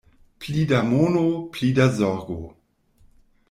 Pli da mono, pli da zorgo.